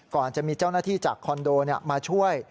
ก่อนจะมีเจ้าหน้าที่จากคอนโดมาช่วย